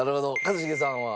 一茂さんは？